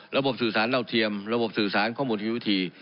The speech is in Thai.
สื่อสารเราเทียมระบบสื่อสารข้อมูลที่วิธี